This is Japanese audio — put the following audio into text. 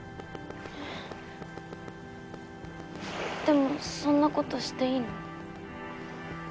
えっでもそんなことしていいの？